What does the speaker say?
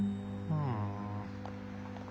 ふん。